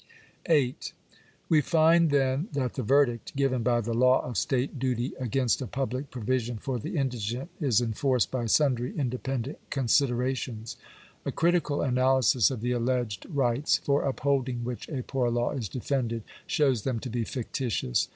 §8. We find, then, that the verdict given by the law of state duty against a public provision for the indigent is enforced by sundry independent considerations. A critical analysis of the alleged rights, for upholding which a poor law is defended, shows them to be fictitious.